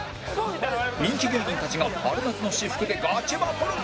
人気芸人たちが春夏の私服でガチバトル！